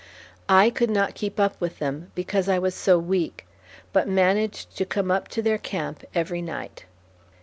I could not keep up with them, because I was so weak, but managed to come up to their camp every night."